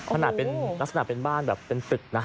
ขนาดเป็นลักษณะเป็นบ้านแบบเป็นตึกนะ